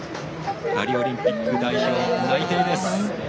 パリオリンピック代表内定です。